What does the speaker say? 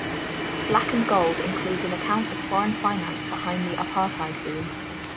Black and Gold includes an account of foreign finance behind the Apartheid Boom.